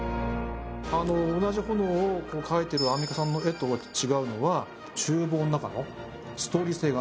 同じ炎を描いてるアンミカさんの絵と違うのは。